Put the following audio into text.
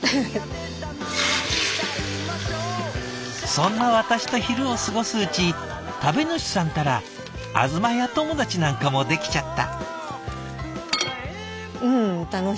「そんな私と昼を過ごすうち食べ主さんったらあずまや友達なんかもできちゃった」。